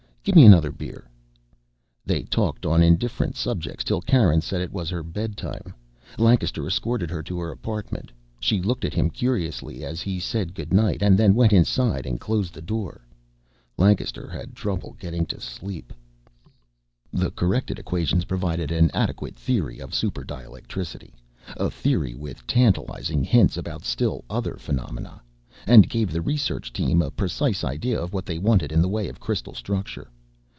Give me another beer." They talked on indifferent subjects till Karen said it was her bedtime. Lancaster escorted her to her apartment. She looked at him curiously as he said good night, and then went inside and closed the door. Lancaster had trouble getting to sleep. The corrected equations provided an adequate theory of super dielectricity a theory with tantalizing hints about still other phenomena and gave the research team a precise idea of what they wanted in the way of crystal structure.